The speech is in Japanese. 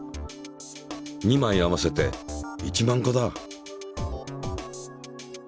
２枚合わせて１万個だ。